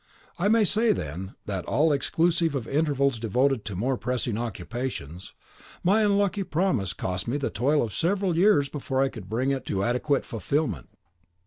I may say then, that, exclusive of intervals devoted to more pressing occupations, my unlucky promise cost me the toil of several years before I could bring it to adequate fulfilment.